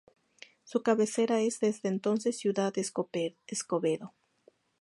Su cabecera es, desde entonces, ciudad Escobedo.